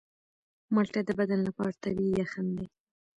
مالټه د بدن لپاره طبیعي یخن دی.